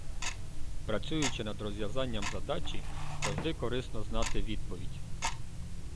Працюючи над розв'язанням задачі, завжди корисно знати відповідь.